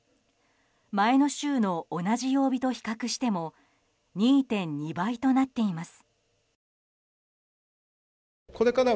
前の週の同じ曜日と比較しても２．２倍となっています。